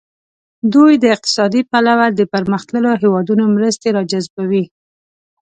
دوی د اقتصادي پلوه د پرمختللو هیوادونو مرستې را جذبوي.